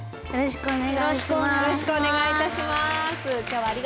よろしくお願いします。